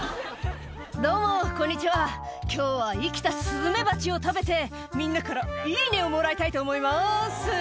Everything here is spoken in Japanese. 「どうもこんにちは今日は生きたスズメバチを食べてみんなからいいねをもらいたいと思います」